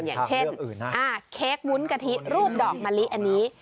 อย่างเช่นเค้กวุ้นกะทิรูปดอกมะลิอันนี้